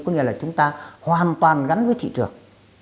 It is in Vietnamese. có nghĩa là chúng ta hoàn toàn gắn với thị trường